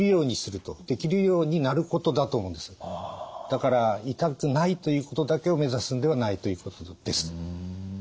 だから痛くないということだけをめざすんではないということです。